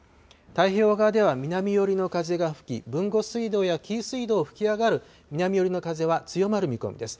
太平洋側では南寄りの風が吹き豊後水道や紀伊水道を吹き上がる南寄りの風は強まる見込みです。